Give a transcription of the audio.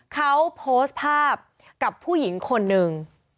เขาโพสต์ภาพกับผู้หญิงคนหนึ่ง